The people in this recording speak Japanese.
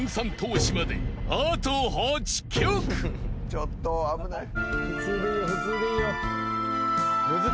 ちょっと危ない。